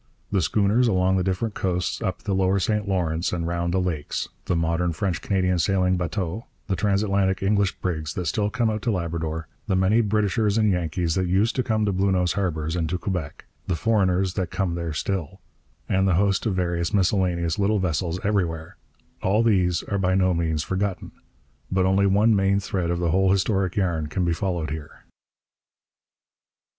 The schooners along the different coasts, up the lower St Lawrence, and round the Lakes; the modern French Canadian sailing bateaux; the transatlantic English brigs that still come out to Labrador; the many Britishers and Yankees that used to come to Bluenose harbours and to Quebec; the foreigners that come there still; and the host of various miscellaneous little vessels everywhere all these are by no means forgotten. But only one main thread of the whole historic yarn can be followed here.